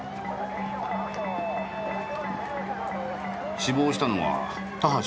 死亡したのは田橋不二夫。